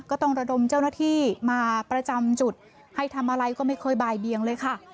ก็ต้องระดมเจ้าหน้าที่มาประจำจุดให้ทำอะไรก็ไม่ค่อยบ่ายเบียงเลยค่ะ